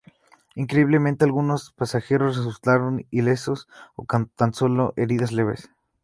Increíblemente, algunos pasajeros resultaron ilesos o con tan solo heridas leves.